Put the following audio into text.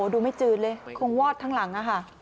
ดูไม่จืดเลยคงวอดทั้งหลังค่ะ